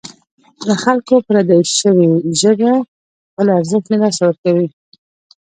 له خلکو پردۍ شوې ژبه خپل ارزښت له لاسه ورکوي.